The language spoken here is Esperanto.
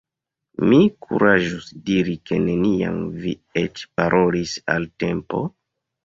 Mi kuraĝus diri ke neniam vi eĉ parolis al Tempo?